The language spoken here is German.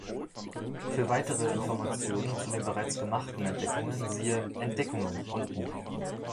Für weitere Informationen zu den bereits gemachten Entdeckungen siehe „Entdeckungen“ unten.